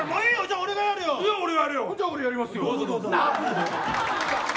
俺やりますよ。